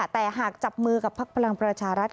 แต่หากจับมือกับพักพลังประชารัฐ